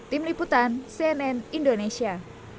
tim liputan cnn indonesia